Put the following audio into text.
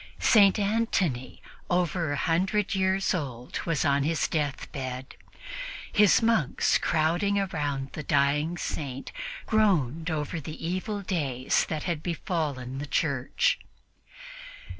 St. Antony, over a hundred years old, was on his deathbed. His monks, crowding around the dying Saint, groaned over the evil days that had befallen the Church.